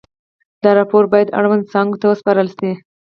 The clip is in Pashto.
دا راپور باید اړونده څانګو ته وسپارل شي.